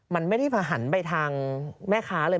มันไม่ได้หันไปทางแม่ค้าเลย